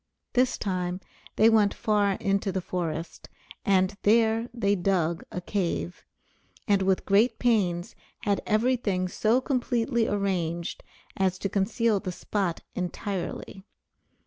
This time they went far into the forest, and there they dug a cave, and with great pains had every thing so completely arranged as to conceal the spot entirely.